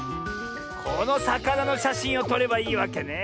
このさかなのしゃしんをとればいいわけね。